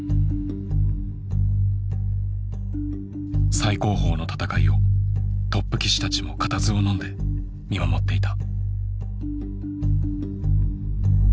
最高峰の戦いをトップ棋士たちも固唾をのんで見守っていた。